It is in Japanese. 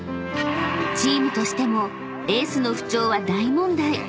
［チームとしてもエースの不調は大問題］